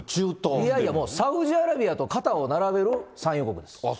いやいや、サウジアラビアと肩を並べる産油国です。